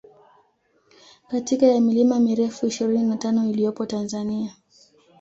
katika ya milima mirefu ishirini na tano iliyopo Tanzania